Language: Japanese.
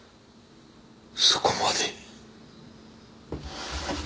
そこまで。